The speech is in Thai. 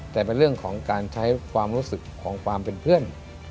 แต่เป็นเรื่องของการใช้ความรู้สึกของความเป็นเพื่อน